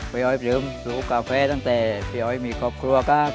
เผยอยลืมปลูกกาแฟตั้งแต่มีครอบครัว